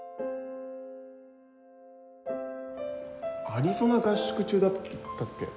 アリゾナ合宿中だったっけ？